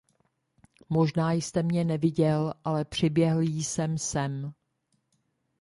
Možná jste mě neviděl, ale přiběhl jsem sem.